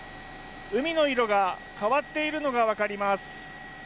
海の色が変わっているのが分かります。